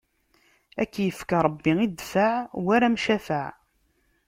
Ad k-ifk Ṛebbi i ddfeɛ war amcafaɛ!